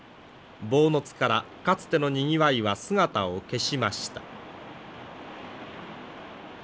坊津からかつてのにぎわいは姿を消しました。